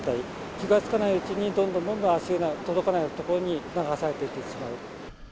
気がつかないうちにどんどんどんどん足が届かない所に流されていってしまう。